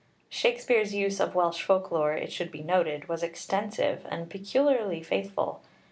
Shakspeare's use of Welsh folk lore, it should be noted, was extensive and peculiarly faithful.